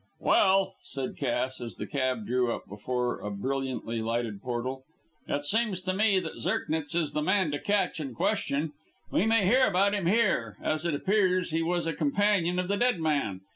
"Well," said Cass, as the cab drew up before a brilliantly lighted portal, "it seems to me that Zirknitz is the man to catch and question. We may hear about him here, as it appears he was a companion of the dead man.